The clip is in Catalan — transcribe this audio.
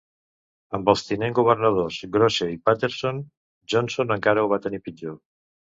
Amb els tinent governadors Grose i Paterson, Johnson encara ho va tenir pitjor.